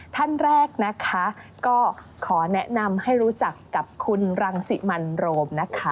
ท่านแรกนะคะก็ขอแนะนำให้รู้จักกับคุณรังสิมันโรมนะคะ